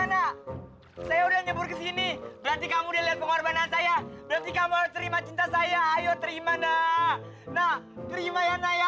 nah nah lihat karena saya udah nyobot ke sini berarti kamu lihat pengorbanan saya berarti kamu akan terima cinta saya ayo terima nah nah terima ya nah ya